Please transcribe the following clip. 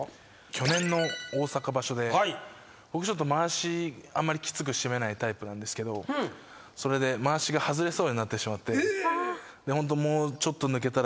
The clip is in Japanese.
去年の大阪場所で僕まわしあんまりきつく締めないタイプなんですけどそれでまわしが外れそうになってしまって。